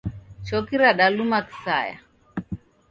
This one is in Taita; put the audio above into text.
Choki radaluma kisaya.